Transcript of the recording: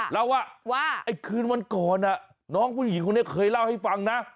เล่าว่าไอ้คืนวันก่อนน้องผู้หญิงคนนี้เคยเล่าให้ฟังนะ